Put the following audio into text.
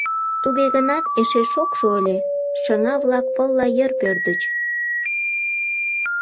Туге гынат эше шокшо ыле, шыҥа-влак пылла йыр пӧрдыч.